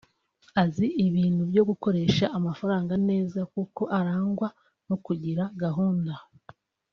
azi ibintu byo gukoresha amafaranga neza kuko arangwa no kugira gahunda